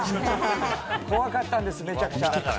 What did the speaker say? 怖かったんですめちゃくちゃ。